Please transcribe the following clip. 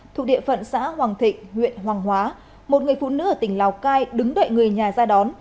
thuộc địa phận xã hoàng thịnh huyện hoàng hóa một người phụ nữ ở tỉnh lào cai đứng đợi người nhà ra đón